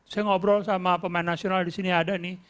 saya ngobrol sama pemain nasional disini ada nih